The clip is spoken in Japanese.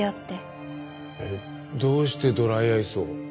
どうしてドライアイスを？